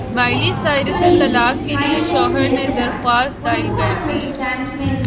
Miley Cyrus سے طلاق کے لیے شوہر نے درخواست دائر کردی